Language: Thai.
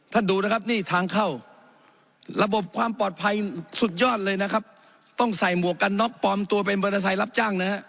ดูนะครับนี่ทางเข้าระบบความปลอดภัยสุดยอดเลยนะครับต้องใส่หมวกกันน็อกปลอมตัวเป็นมอเตอร์ไซค์รับจ้างนะฮะ